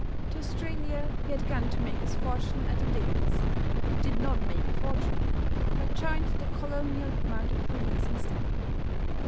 To Australia he had gone to make his fortune at the diggings. He did not make a fortune, but joined the colonial mounted police instead.